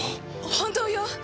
本当よ！